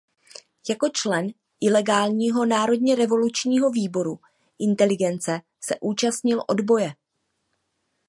Jako člen ilegálního Národně revolučního výboru inteligence se účastnil odboje.